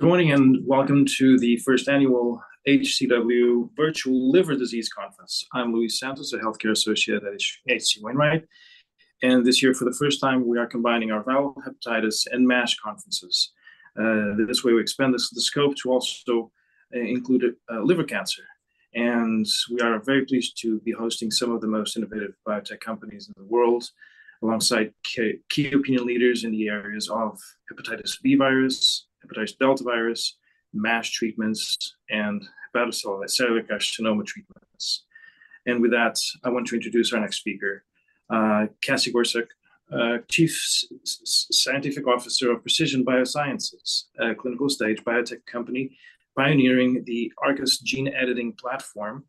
Good morning and welcome to the first annual H.C. Wainwright Virtual Liver Disease Conference. I'm Luis Santos, Senior Equity Research Associate, Healthcare and Biotechnology at H.C. Wainwright, and this year, for the first time, we are combining our viral hepatitis and MASH Conferences. This way, we expand the scope to also include liver cancer, and we are very pleased to be hosting some of the most innovative biotech companies in the world, alongside key opinion leaders in the areas of Hepatitis B virus, Hepatitis Delta virus, MASH treatments, and hepatocellular carcinoma treatments, and with that, I want to introduce our next speaker, Cassie Gorsuch, Chief Scientific Officer of Precision BioSciences, a clinical stage biotech company pioneering the ARCUS gene editing platform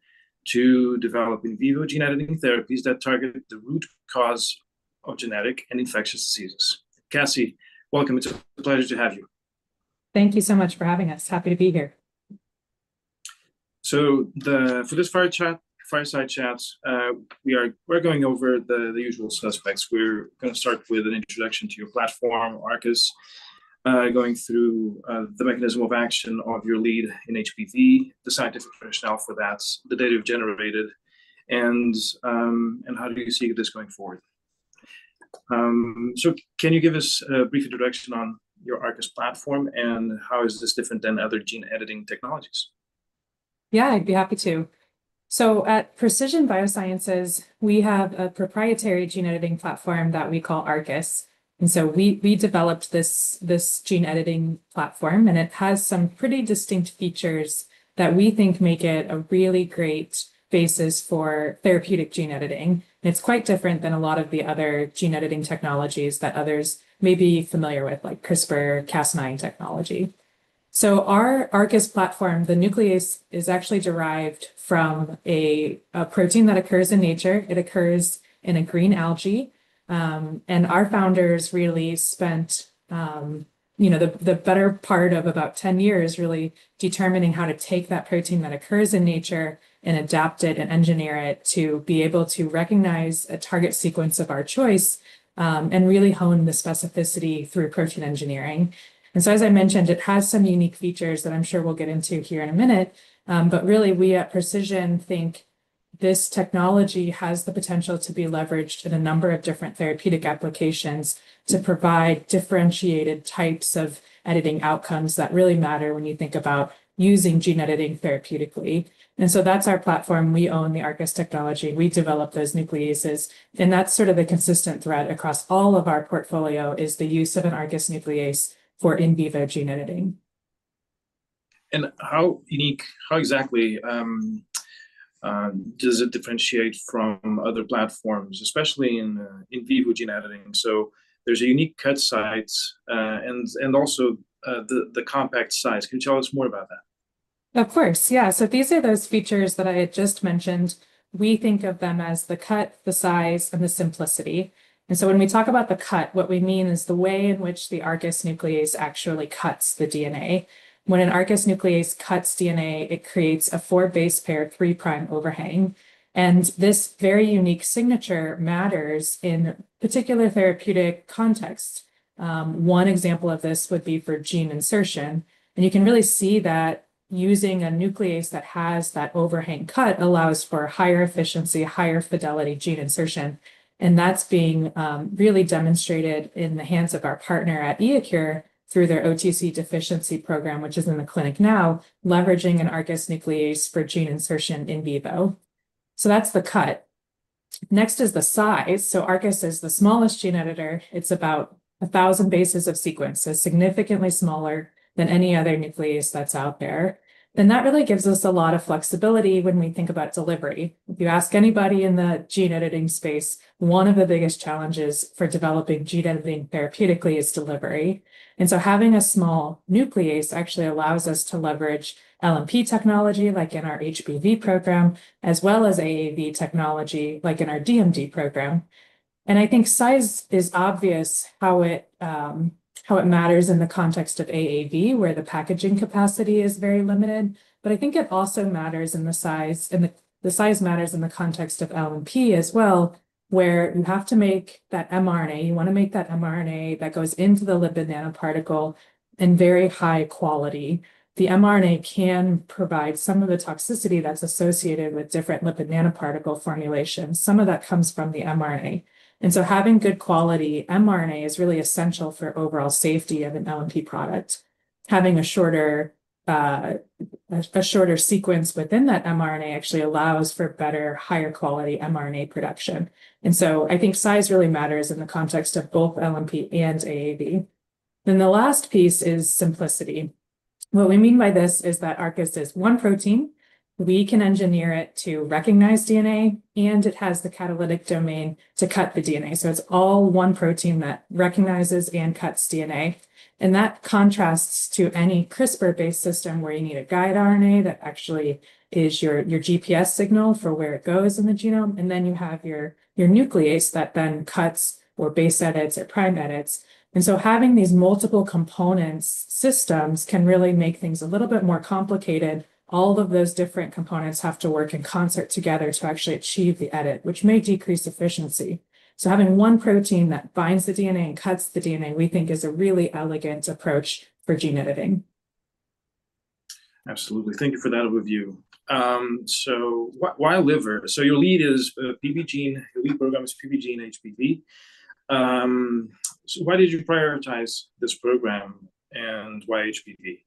to develop in vivo gene editing therapies that target the root cause of genetic and infectious diseases. Cassie, welcome. It's a pleasure to have you. Thank you so much for having us. Happy to be here. So for this fireside chat, we are going over the usual suspects. We're going to start with an introduction to your platform, ARCUS, going through the mechanism of action of your lead in HBV, the scientific rationale for that, the data you've generated, and how do you see this going forward. So can you give us a brief introduction on your ARCUS platform and how is this different than other gene editing technologies? Yeah, I'd be happy to. So at Precision BioSciences, we have a proprietary gene editing platform that we call ARCUS. And so we developed this gene editing platform, and it has some pretty distinct features that we think make it a really great basis for therapeutic gene editing. And it's quite different than a lot of the other gene editing technologies that others may be familiar with, like CRISPR-Cas9 technology. So our ARCUS platform, the nuclease, is actually derived from a protein that occurs in nature. It occurs in a green algae. And our founders really spent, you know, the better part of about 10 years really determining how to take that protein that occurs in nature and adapt it and engineer it to be able to recognize a target sequence of our choice and really hone the specificity through protein engineering. And so, as I mentioned, it has some unique features that I'm sure we'll get into here in a minute. But really, we at Precision think this technology has the potential to be leveraged in a number of different therapeutic applications to provide differentiated types of editing outcomes that really matter when you think about using gene editing therapeutically. And so that's our platform. We own the ARCUS technology. We develop those nucleases. And that's sort of the consistent thread across all of our portfolio is the use of an ARCUS nuclease for in vivo gene editing. How unique, how exactly does it differentiate from other platforms, especially in vivo gene editing? There's a unique cut size and also the compact size. Can you tell us more about that? Of course. Yeah. So these are those features that I had just mentioned. We think of them as the cut, the size, and the simplicity. And so when we talk about the cut, what we mean is the way in which the ARCUS nuclease actually cuts the DNA. When an ARCUS nuclease cuts DNA, it creates a four-base pair, three prime overhang. And this very unique signature matters in particular therapeutic contexts. One example of this would be for gene insertion. And you can really see that using a nuclease that has that overhang cut allows for higher efficiency, higher fidelity gene insertion. And that's being really demonstrated in the hands of our partner at iECURE through their OTC deficiency program, which is in the clinic now, leveraging an ARCUS nuclease for gene insertion in vivo. So that's the cut. Next is the size. So ARCUS is the smallest gene editor. It's about 1,000 bases of sequence, so significantly smaller than any other nuclease that's out there. And that really gives us a lot of flexibility when we think about delivery. If you ask anybody in the gene editing space, one of the biggest challenges for developing gene editing therapeutically is delivery. And so having a small nuclease actually allows us to leverage LNP technology, like in our HBV program, as well as AAV technology, like in our DMD program. And I think size is obvious how it matters in the context of AAV, where the packaging capacity is very limited. But I think it also matters in the size. And the size matters in the context of LNP as well, where you have to make that mRNA. You want to make that mRNA that goes into the lipid nanoparticle and very high quality. The mRNA can provide some of the toxicity that's associated with different lipid nanoparticle formulations. Some of that comes from the mRNA. And so having good quality mRNA is really essential for overall safety of an LNP product. Having a shorter sequence within that mRNA actually allows for better, higher quality mRNA production. And so I think size really matters in the context of both LNP and AAV. Then the last piece is simplicity. What we mean by this is that ARCUS is one protein. We can engineer it to recognize DNA, and it has the catalytic domain to cut the DNA. So it's all one protein that recognizes and cuts DNA. And that contrasts to any CRISPR-based system where you need a guide RNA that actually is your GPS signal for where it goes in the genome. And then you have your nuclease that then cuts or base edits or prime edits. And so having these multiple components systems can really make things a little bit more complicated. All of those different components have to work in concert together to actually achieve the edit, which may decrease efficiency. So having one protein that binds the DNA and cuts the DNA, we think, is a really elegant approach for gene editing. Absolutely. Thank you for that overview. So why liver? So your lead is PBGENE, your lead program is PBGENE-HBV. So why did you prioritize this program and why HBV?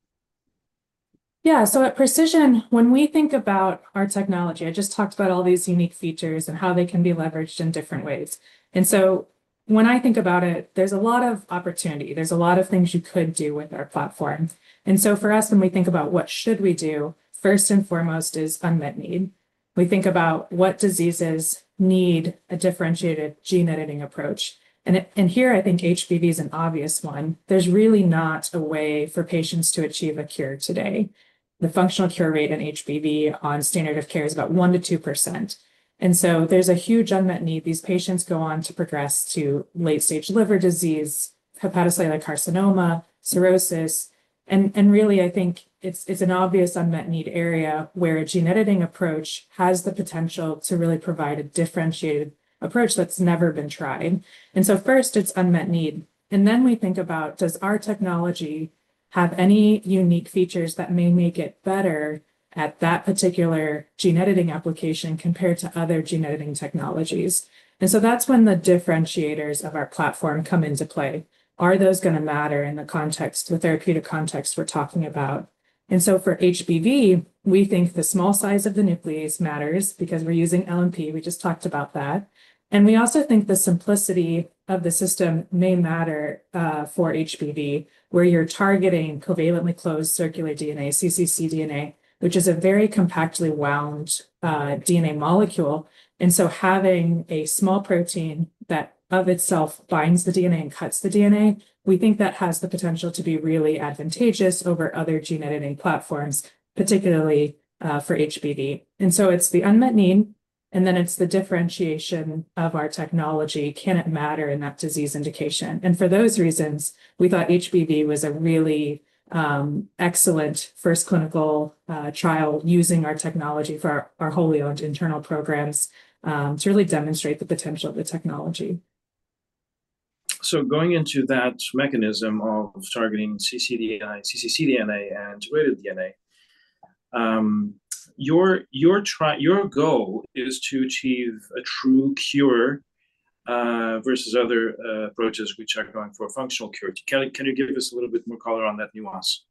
Yeah. So at Precision, when we think about our technology, I just talked about all these unique features and how they can be leveraged in different ways. And so when I think about it, there's a lot of opportunity. There's a lot of things you could do with our platform. And so for us, when we think about what should we do, first and foremost is unmet need. We think about what diseases need a differentiated gene editing approach. And here, I think HBV is an obvious one. There's really not a way for patients to achieve a cure today. The functional cure rate in HBV on standard of care is about 1% to 2%. And so there's a huge unmet need. These patients go on to progress to late-stage liver disease, hepatocellular carcinoma, cirrhosis. And really, I think it's an obvious unmet need area where a gene editing approach has the potential to really provide a differentiated approach that's never been tried. And so first, it's unmet need. And then we think about, does our technology have any unique features that may make it better at that particular gene editing application compared to other gene editing technologies? And so that's when the differentiators of our platform come into play. Are those going to matter in the context, the therapeutic context we're talking about? And so for HBV, we think the small size of the nuclease matters because we're using LNP. We just talked about that. And we also think the simplicity of the system may matter for HBV, where you're targeting covalently closed circular DNA, cccDNA, which is a very compactly wound DNA molecule. And so, having a small protein that in itself binds the DNA and cuts the DNA, we think that has the potential to be really advantageous over other gene editing platforms, particularly for HBV. And so it's the unmet need, and then it's the differentiation of our technology. Can it matter in that disease indication? And for those reasons, we thought HBV was a really excellent first clinical trial using our technology for our wholly owned internal programs to really demonstrate the potential of the technology. So going into that mechanism of targeting cccDNA and integrated DNA, your goal is to achieve a true cure versus other approaches which are going for functional cure. Can you give us a little bit more color on that nuance?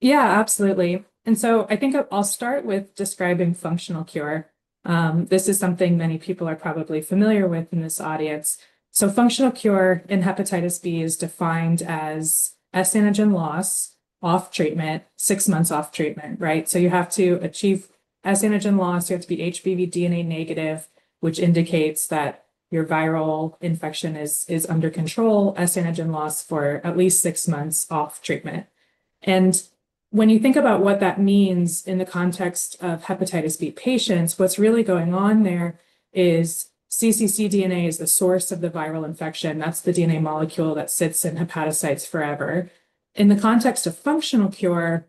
Yeah, absolutely. And so I think I'll start with describing functional cure. This is something many people are probably familiar with in this audience. So functional cure in Hepatitis B is defined as S-antigen loss off treatment, six months off treatment, right? So you have to achieve S-antigen loss. You have to be HBV DNA negative, which indicates that your viral infection is under control, S-antigen loss for at least six months off treatment. And when you think about what that means in the context of Hepatitis B patients, what's really going on there is cccDNA is the source of the viral infection. That's the DNA molecule that sits in hepatocytes forever. In the context of functional cure,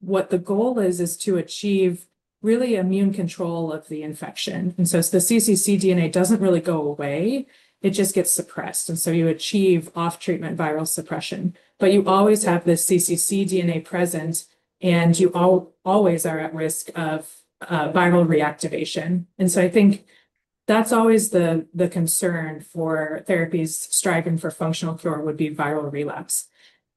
what the goal is, is to achieve really immune control of the infection. And so the cccDNA doesn't really go away. It just gets suppressed. And so you achieve off treatment viral suppression. But you always have this cccDNA present, and you always are at risk of viral reactivation. And so I think that's always the concern for therapies striving for functional cure would be viral relapse.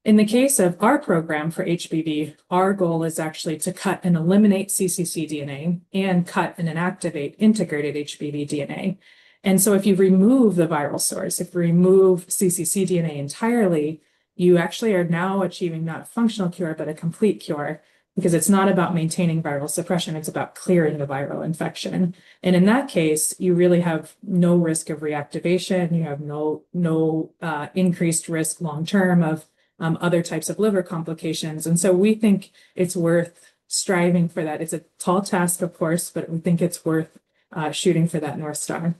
In the case of our program for HBV, our goal is actually to cut and eliminate cccDNA and cut and inactivate integrated HBV DNA. And so if you remove the viral source, if you remove cccDNA entirely, you actually are now achieving not a functional cure, but a complete cure because it's not about maintaining viral suppression. It's about clearing the viral infection. And in that case, you really have no risk of reactivation. You have no increased risk long term of other types of liver complications. And so we think it's worth striving for that. It's a tall task, of course, but we think it's worth shooting for that North Star.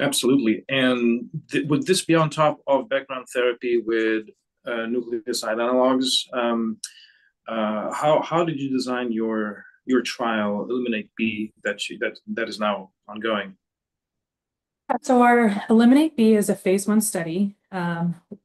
Absolutely. And would this be on top of background therapy with nucleoside analogs? How did you design your trial, ELIMINATE-B, that is now ongoing? Our ELIMINATE-B is a Phase 1 study.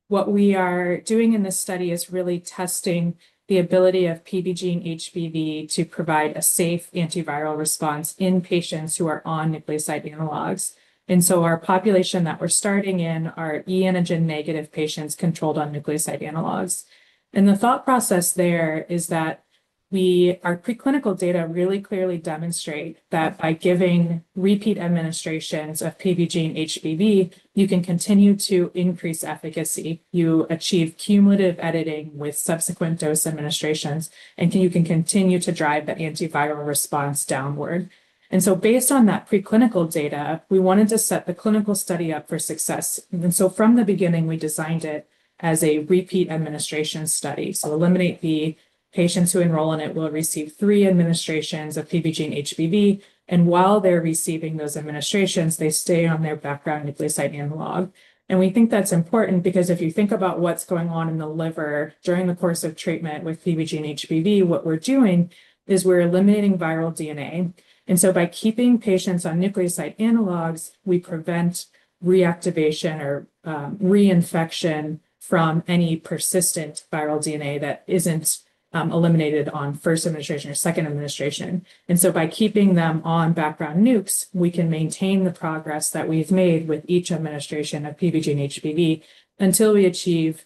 What we are doing in this study is really testing the ability of PBGENE-HBV to provide a safe antiviral response in patients who are on nucleoside analogs. And so our population that we're starting in are e antigen negative patients controlled on nucleoside analogs. And the thought process there is that our preclinical data really clearly demonstrate that by giving repeat administrations of PBGENE-HBV, you can continue to increase efficacy. You achieve cumulative editing with subsequent dose administrations, and you can continue to drive the antiviral response downward. And so based on that preclinical data, we wanted to set the clinical study up for success. And so from the beginning, we designed it as a repeat administration study. So ELIMINATE-B patients who enroll in it will receive three administrations of PBGENE-HBV. And while they're receiving those administrations, they stay on their background nucleoside analog. And we think that's important because if you think about what's going on in the liver during the course of treatment with PBGENE-HBV, what we're doing is we're eliminating viral DNA. And so by keeping patients on nucleoside analogs, we prevent reactivation or reinfection from any persistent viral DNA that isn't eliminated on first administration or second administration. And so by keeping them on background NUCs, we can maintain the progress that we've made with each administration of PBGENE-HBV until we achieve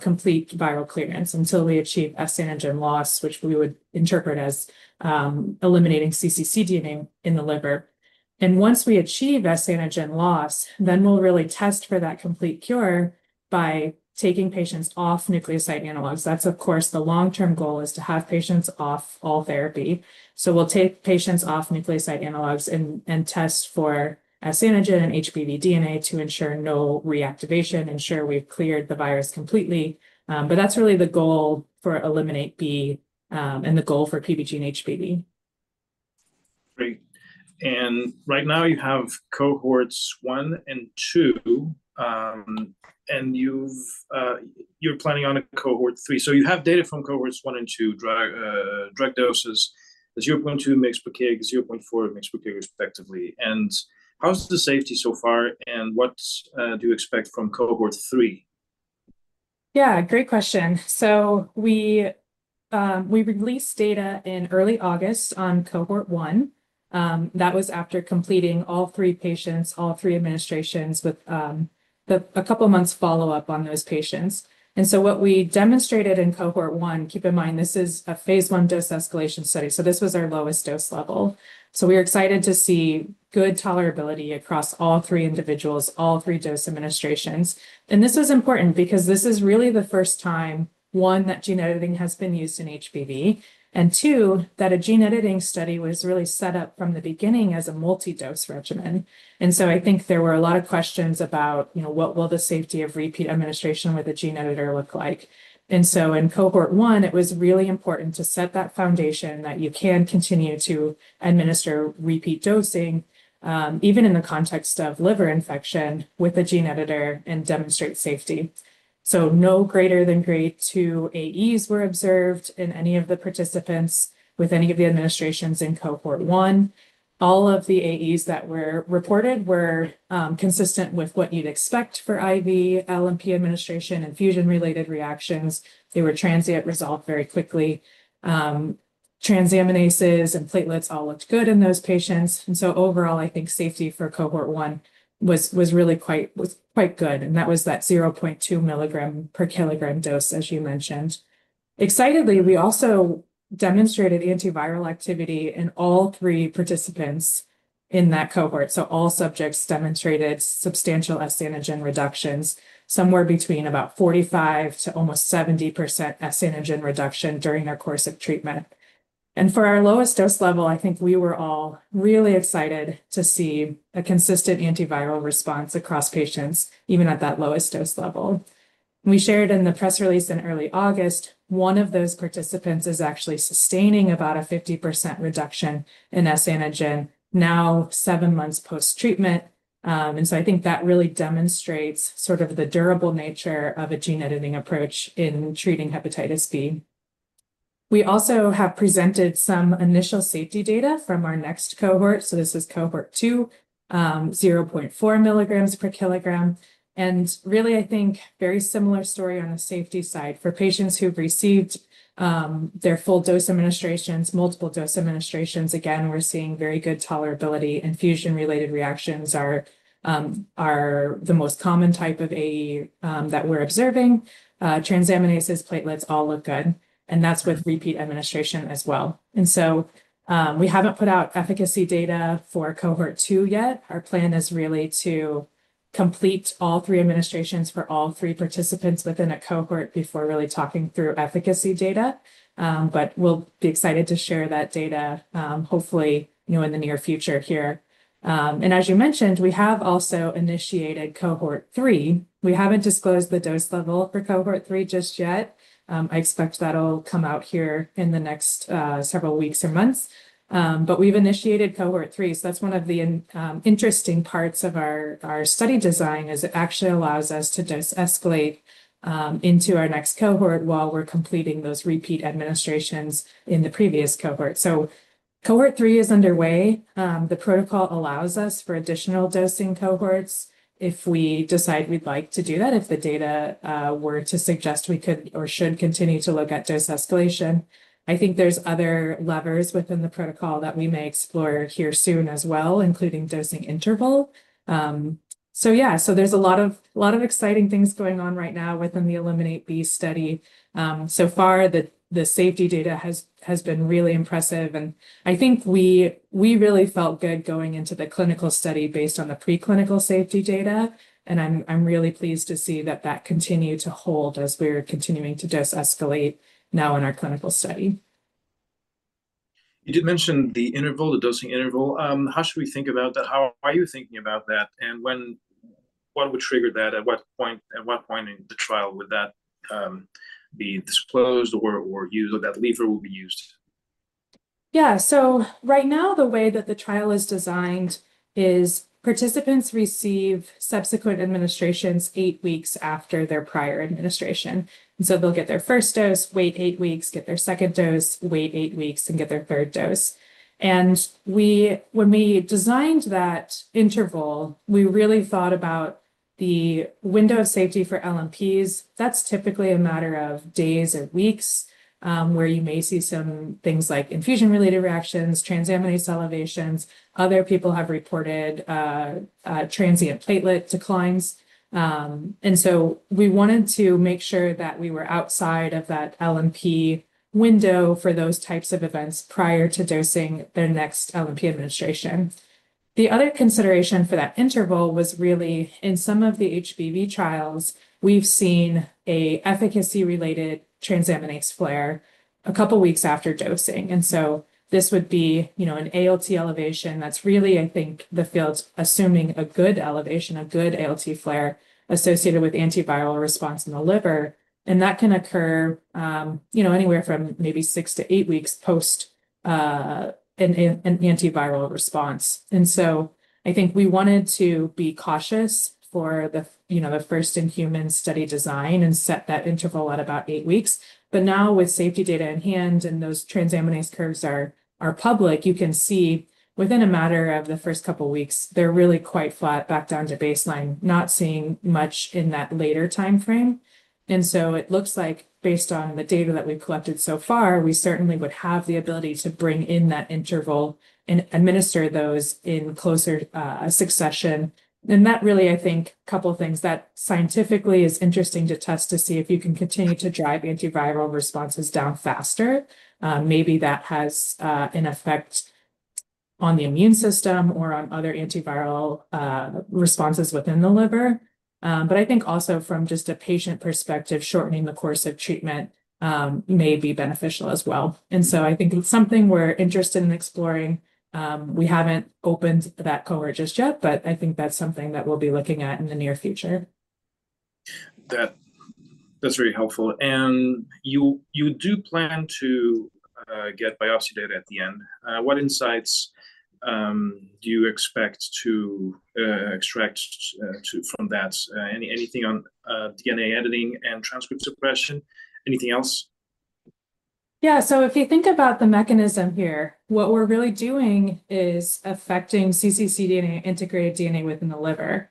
complete viral clearance, until we achieve S-antigen loss, which we would interpret as eliminating cccDNA in the liver. And once we achieve S-antigen loss, then we'll really test for that complete cure by taking patients off nucleoside analogs. That's, of course, the long-term goal is to have patients off all therapy, so we'll take patients off nucleoside analogs and test for S-antigen and HBV DNA to ensure no reactivation, ensure we've cleared the virus completely, but that's really the goal for ELIMINATE-B and the goal for PBGENE-HBV. Great. And right now you have Cohorts 1 and 2, and you're planning on a Cohort 3. So you have data from Cohorts 1 and 2, drug doses, the 0.2 mg per kg, 0.4 mg per kg respectively. And how's the safety so far, and what do you expect from Cohort 3? Yeah, great question. So we released data in early August on Cohort 1. That was after completing all three patients, all three administrations with a couple of months follow-up on those patients. And so what we demonstrated in Cohort 1, keep in mind, this is a Phase 1 dose escalation study. So this was our lowest dose level. So we were excited to see good tolerability across all three individuals, all three dose administrations. And this was important because this is really the first time, one, that gene editing has been used in HBV, and two, that a gene editing study was really set up from the beginning as a multi-dose regimen. And so I think there were a lot of questions about what will the safety of repeat administration with a gene editor look like. And so in Cohort 1, it was really important to set that foundation that you can continue to administer repeat dosing, even in the context of liver infection, with a gene editor and demonstrate safety. So no greater than Grade 2 AEs were observed in any of the participants with any of the administrations in Cohort 1. All of the AEs that were reported were consistent with what you'd expect for IV/LNP administration and infusion-related reactions. They were transient, resolved very quickly. Transaminases and platelets all looked good in those patients. And so overall, I think safety for Cohort 1 was really quite good. And that was that 0.2 mg per kg dose, as you mentioned. Excitedly, we also demonstrated antiviral activity in all three participants in that cohort. So all subjects demonstrated substantial S-antigen reductions, somewhere between about 45% to almost 70% S-antigen reduction during their course of treatment. And for our lowest dose level, I think we were all really excited to see a consistent antiviral response across patients, even at that lowest dose level. We shared in the press release in early August. One of those participants is actually sustaining about a 50% reduction in S-antigen now seven months post-treatment. And so I think that really demonstrates sort of the durable nature of a gene editing approach in treating Hepatitis B. We also have presented some initial safety data from our next cohort. So this is Cohort 2, 0.4 milligrams per kilogram. And really, I think very similar story on the safety side for patients who've received their full dose administrations, multiple dose administrations. Again, we're seeing very good tolerability. Infusion-related reactions are the most common type of AE that we're observing. Transaminases, platelets all look good. And that's with repeat administration as well. And so we haven't put out efficacy data for Cohort 2 yet. Our plan is really to complete all three administrations for all three participants within a cohort before really talking through efficacy data. But we'll be excited to share that data, hopefully, in the near future here. And as you mentioned, we have also initiated Cohort 3. We haven't disclosed the dose level for Cohort 3 just yet. I expect that'll come out here in the next several weeks or months. But we've initiated Cohort 3. So that's one of the interesting parts of our study design is it actually allows us to just escalate into our next cohort while we're completing those repeat administrations in the previous cohort. So Cohort 3 is underway. The protocol allows us for additional dosing cohorts if we decide we'd like to do that, if the data were to suggest we could or should continue to look at dose escalation. I think there's other levers within the protocol that we may explore here soon as well, including dosing interval, so yeah, there's a lot of exciting things going on right now within the ELIMINATE-B study so far, the safety data has been really impressive, and I think we really felt good going into the clinical study based on the preclinical safety data, and I'm really pleased to see that that continued to hold as we're continuing to dose escalate now in our clinical study. You did mention the interval, the dosing interval. How should we think about that? How are you thinking about that? And what would trigger that? At what point in the trial would that be disclosed or that lever will be used? Yeah. So right now, the way that the trial is designed is participants receive subsequent administrations eight weeks after their prior administration, and so they'll get their first dose, wait eight weeks, get their second dose, wait eight weeks, and get their third dose, and when we designed that interval, we really thought about the window of safety for LNPs. That's typically a matter of days or weeks where you may see some things like infusion-related reactions, transaminase elevations. Other people have reported transient platelet declines, and so we wanted to make sure that we were outside of that LNP window for those types of events prior to dosing their next LNP administration. The other consideration for that interval was really, in some of the HBV trials, we've seen an efficacy-related transaminase flare a couple of weeks after dosing. This would be an ALT elevation that's really, I think, the field's assuming a good elevation, a good ALT flare associated with antiviral response in the liver. That can occur anywhere from maybe six to eight weeks post an antiviral response. We wanted to be cautious for the first-in-human study design and set that interval at about eight weeks. Now with safety data in hand and those transaminase curves are public, you can see within a matter of the first couple of weeks, they're really quite flat back down to baseline, not seeing much in that later time frame. It looks like based on the data that we've collected so far, we certainly would have the ability to bring in that interval and administer those in closer succession. And that really, I think, a couple of things that scientifically is interesting to test to see if you can continue to drive antiviral responses down faster. Maybe that has an effect on the immune system or on other antiviral responses within the liver. But I think also from just a patient perspective, shortening the course of treatment may be beneficial as well. And so I think it's something we're interested in exploring. We haven't opened that cohort just yet, but I think that's something that we'll be looking at in the near future. That's very helpful. And you do plan to get biopsy data at the end. What insights do you expect to extract from that? Anything on DNA editing and transcript suppression? Anything else? Yeah. So if you think about the mechanism here, what we're really doing is affecting cccDNA, integrated DNA within the liver.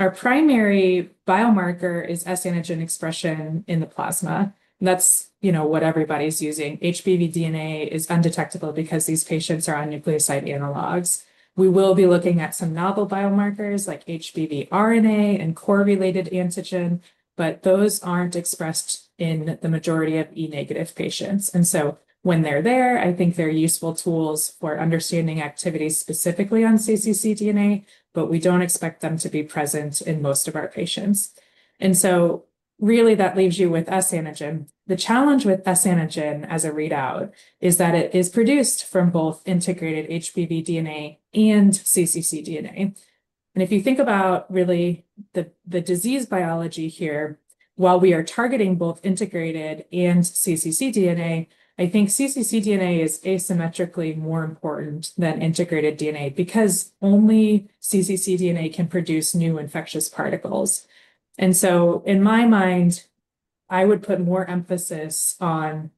Our primary biomarker is S-antigen expression in the plasma. And that's what everybody's using. HBV DNA is undetectable because these patients are on nucleoside analogs. We will be looking at some novel biomarkers like HBV RNA and core-related antigen, but those aren't expressed in the majority of E negative patients. And so when they're there, I think they're useful tools for understanding activity specifically on cccDNA, but we don't expect them to be present in most of our patients. And so really that leaves you with S-antigen. The challenge with S-antigen as a readout is that it is produced from both integrated HBV DNA and cccDNA. And if you think about really the disease biology here, while we are targeting both integrated and cccDNA, I think cccDNA is asymmetrically more important than integrated DNA because only cccDNA can produce new infectious particles. And so in my mind, I would put more emphasis on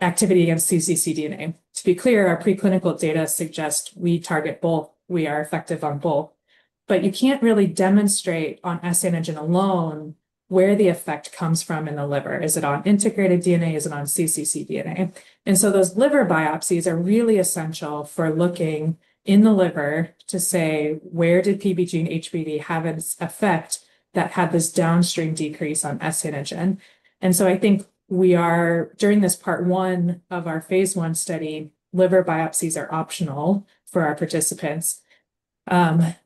activity against cccDNA. To be clear, our preclinical data suggest we target both. We are effective on both. But you can't really demonstrate on S-antigen alone where the effect comes from in the liver. Is it on integrated DNA? Is it on cccDNA? And so those liver biopsies are really essential for looking in the liver to say, where did PBGENE-HBV have an effect that had this downstream decrease on S-antigen? And so I think we are during this Part 1 of our Phase 1 study, liver biopsies are optional for our participants.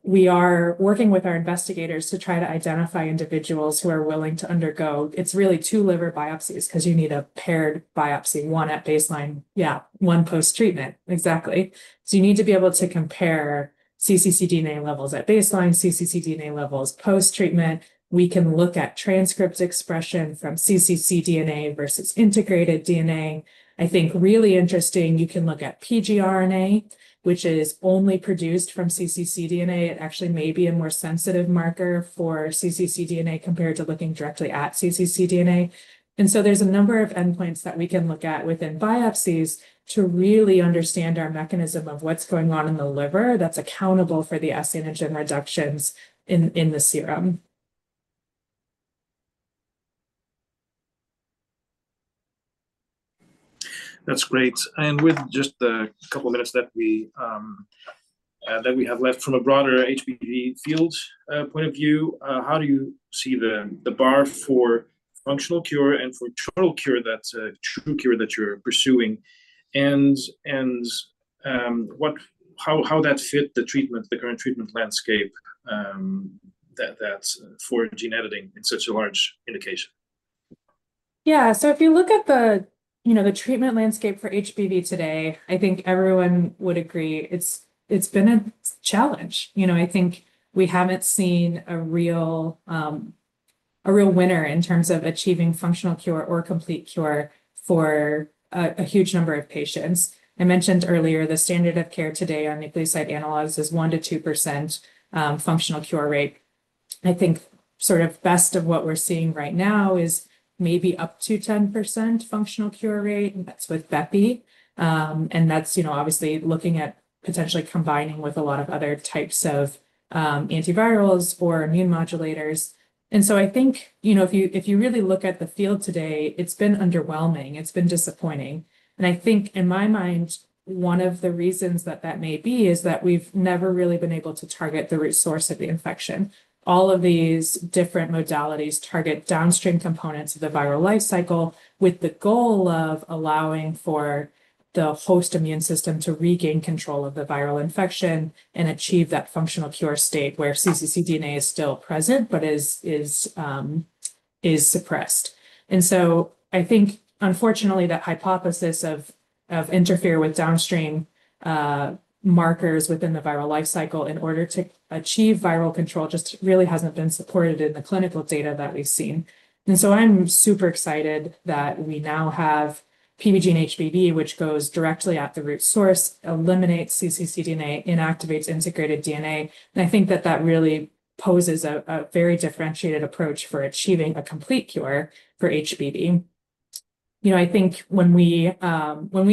We are working with our investigators to try to identify individuals who are willing to undergo, it's really two liver biopsies because you need a paired biopsy, one at baseline, yeah, one post-treatment, exactly, so you need to be able to compare cccDNA levels at baseline, cccDNA levels post-treatment. We can look at transcript expression from cccDNA versus integrated DNA. I think really interesting, you can look at pgRNA, which is only produced from cccDNA. It actually may be a more sensitive marker for cccDNA compared to looking directly at cccDNA, and so there's a number of endpoints that we can look at within biopsies to really understand our mechanism of what's going on in the liver that's accountable for the S-antigen reductions in the serum. That's great. And with just the couple of minutes that we have left from a broader HBV field point of view, how do you see the bar for functional cure and for total cure, that true cure that you're pursuing? And how does that fit the treatment, the current treatment landscape for gene editing in such a large indication? Yeah. So if you look at the treatment landscape for HBV today, I think everyone would agree it's been a challenge. I think we haven't seen a real winner in terms of achieving functional cure or complete cure for a huge number of patients. I mentioned earlier the standard of care today on nucleoside analogs is 1%-2% functional cure rate. I think sort of best of what we're seeing right now is maybe up to 10% functional cure rate. That's with Bepi. And that's obviously looking at potentially combining with a lot of other types of antivirals or immune modulators. And so I think if you really look at the field today, it's been underwhelming. It's been disappointing. And I think in my mind, one of the reasons that that may be is that we've never really been able to target the root source of the infection. All of these different modalities target downstream components of the viral life cycle with the goal of allowing for the host immune system to regain control of the viral infection and achieve that functional cure state where cccDNA is still present but is suppressed. And so I think, unfortunately, that hypothesis of interfering with downstream markers within the viral life cycle in order to achieve viral control just really hasn't been supported in the clinical data that we've seen. And so I'm super excited that we now have PBGENE-HBV, which goes directly at the root source, eliminates cccDNA, inactivates integrated DNA. And I think that that really poses a very differentiated approach for achieving a complete cure for HBV. I think when we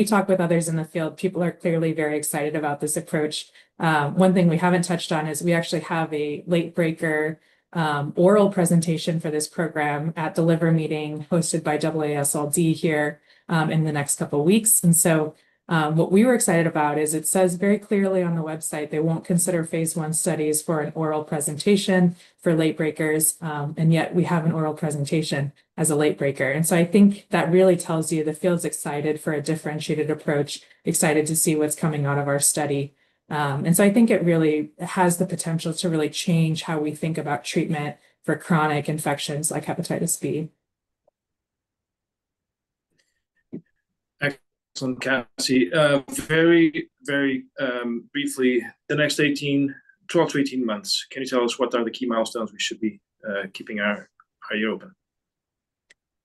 talk with others in the field, people are clearly very excited about this approach. One thing we haven't touched on is we actually have a late-breaker oral presentation for this program at the Liver Meeting hosted by AASLD here in the next couple of weeks. And so what we were excited about is it says very clearly on the website, they won't consider Phase 1 studies for an oral presentation for late-breakers. And yet we have an oral presentation as a late-breaker. And so I think that really tells you the field's excited for a differentiated approach, excited to see what's coming out of our study. And so I think it really has the potential to really change how we think about treatment for chronic infections like Hepatitis B. Excellent, Cassie. Very, very briefly, the next 12, 18 months, can you tell us what are the key milestones we should be keeping our eye open?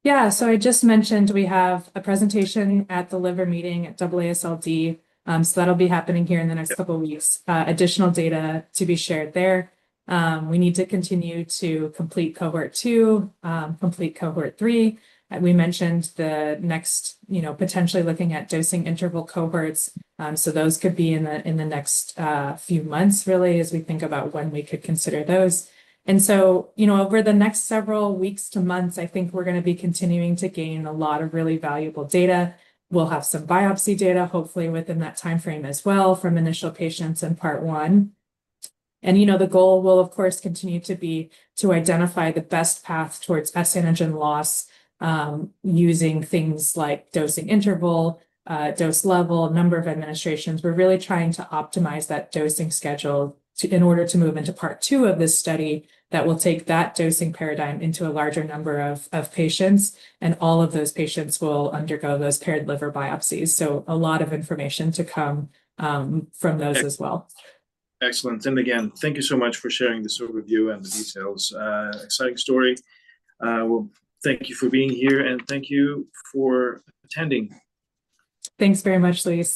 Yeah, so I just mentioned we have a presentation at the Liver Meeting at AASLD. That'll be happening here in the next couple of weeks. Additional data to be shared there. We need to continue to complete Cohort 2, complete Cohort 3. We mentioned the next potentially looking at dosing interval cohorts, so those could be in the next few months, really, as we think about when we could consider those, and so over the next several weeks to months, I think we're going to be continuing to gain a lot of really valuable data. We'll have some biopsy data, hopefully, within that time frame as well from initial patients in Part 1, and the goal will, of course, continue to be to identify the best path towards S-antigen loss using things like dosing interval, dose level, number of administrations. We're really trying to optimize that dosing schedule in order to move into Part 2 of this study that will take that dosing paradigm into a larger number of patients. And all of those patients will undergo those paired liver biopsies. So a lot of information to come from those as well. Excellent. And again, thank you so much for sharing this overview and the details. Exciting story. Well, thank you for being here. And thank you for attending. Thanks very much, Luis.